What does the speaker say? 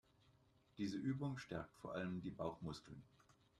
Diese Übung stärkt vor allem die Bauchmuskeln.